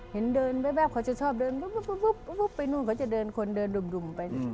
เห็นเดินแว๊บเขาจะชอบเดินปุ๊บไปนู่นเขาจะเดินคนเดินดุ่มไป